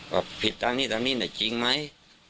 ว่าผิดตามนี้ตามนี้แต่จริงไหม